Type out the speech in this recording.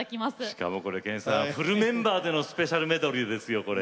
しかも、これフルメンバーでのスペシャルメドレーですよ。